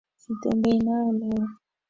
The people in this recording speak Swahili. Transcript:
Sitembei nao leo